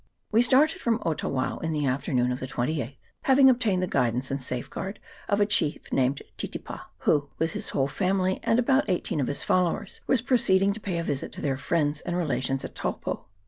We started from Otawao in the afternoon of the 28th, having obtained the guidance and safeguard of a chief named Titipa, who, with his whole family and about eighteen of his followers, was proceeding to pay a visit to their friends and relations at Taupo.